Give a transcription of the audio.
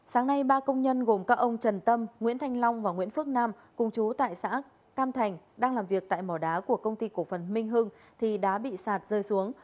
sáng nay ba công nhân gồm các ông trần tâm nguyễn thanh long và nguyễn phước nam cùng chú tại xã cam thành đang làm việc tại mỏ đá của công ty cổ phần minh hưng thì đã bị sạt rơi xuống